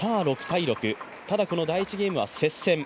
ただ、この第１ゲームは接戦。